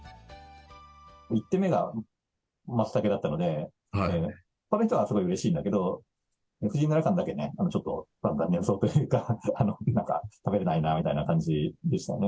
１手目がマツタケだったので、ほかの人はすごいうれしいんだけど、藤井七冠だけね、ちょっと残念そうというか、なんか食べれないなみたいな感じでしたね。